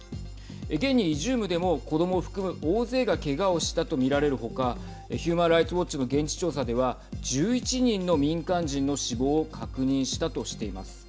現にイジュームでも子どもを含む大勢がけがをしたと見られる他ヒューマン・ライツ・ウォッチの現地調査では１１人の民間人の死亡を確認したとしています。